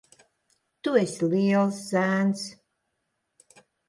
Tu esi liels zēns.